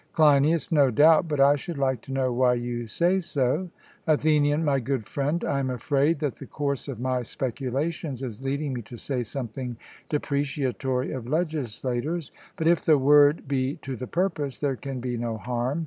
CLEINIAS: No doubt; but I should like to know why you say so. ATHENIAN: My good friend, I am afraid that the course of my speculations is leading me to say something depreciatory of legislators; but if the word be to the purpose, there can be no harm.